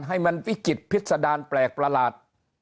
ให้มันวิจิตพิษดารแปลกประหลาด